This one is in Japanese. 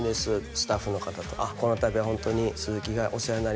スタッフの方と「あっこの度はホントに鈴木がお世話になります」